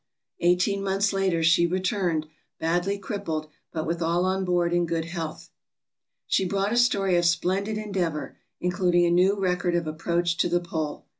Eighteen months later she returned, badly crippled, but with all on board in good health. She brought a story of splendid endeavor, including a new record of approach to the pole.